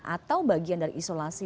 atau bagian dari isolasi